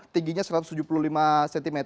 tingginya satu ratus tujuh puluh lima cm